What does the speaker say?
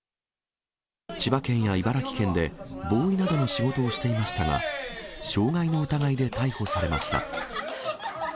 千葉県や茨城県でボーイなどの仕事をしていましたが、傷害の疑いで逮捕されました。